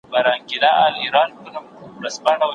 سترېس د وریښتانو توېدو سبب کیږي؟